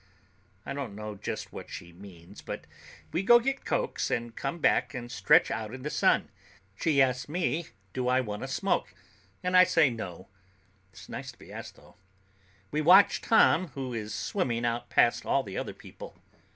I don't know just what she means, but we go get cokes and come back and stretch out in the sun. She asks me do I want a smoke, and I say No. It's nice to be asked, though. We watch Tom, who is swimming out past all the other people.